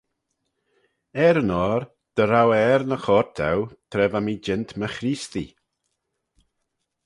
Er-yn-oyr dy row eh er ny choyrt dou tra va mee jeant my Chreestee.